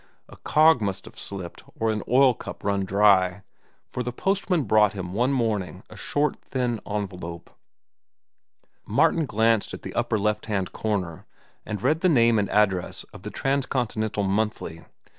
A cog must have slipped or an oil cup run dry, for the postman brought him one morning a short, thin envelope. Martin glanced at the upper left hand corner and read the name and address of the Transcontinental Monthly.